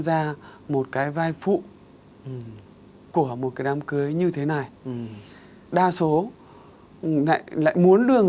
xay rượu sang